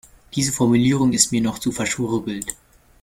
Diese Formulierung ist mir noch zu verschwurbelt.